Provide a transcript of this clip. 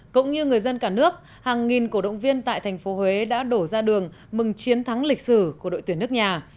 cũng như người dân cả nước hàng nghìn cổ động viên tại thành phố huế đã đổ ra đường mừng chiến thắng lịch sử của đội tuyển nước nhà